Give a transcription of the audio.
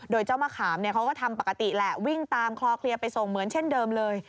โดยเจ้ามะขามเขาก็ทำปกติแหละวิ่งตามคลอเคลียร์ไปส่งเหมือนเช่นเดิมเลย